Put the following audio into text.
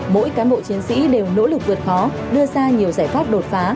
mỗi cán bộ chiến sĩ đều nỗ lực vượt khó đưa ra nhiều giải pháp đột phá